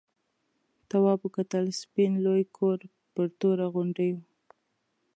تواب وکتل سپین لوی کور پر توره غونډۍ و.